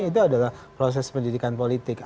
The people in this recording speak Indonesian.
itu adalah proses pendidikan politik